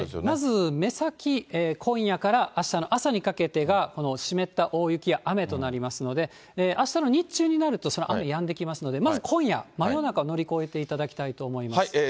まず目先、今夜からあしたの朝にかけてが湿った大雪や雨となりますので、あしたの日中になると、雨やんできますので、まず今夜、真夜中を乗り越えていただきたいと思います。